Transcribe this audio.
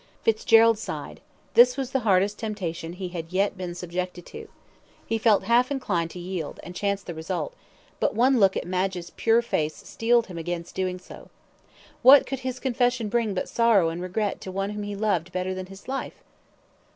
Fitzgerald sighed this was the hardest temptation he had yet been subjected to. He felt half inclined to yield, and chance the result but one look at Madge's pure face steeled him against doing so. What could his confession bring but sorrow and regret to one whom he loved better than his life.